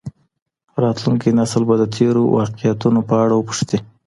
راتلونکی نسل به د تېرو واقعیتونو په اړه وپوښتي.